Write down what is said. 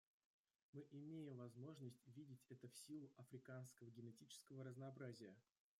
Мы имеем возможность видеть это в силу африканского генетического разнообразия.